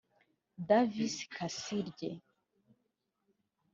Davis Kasirye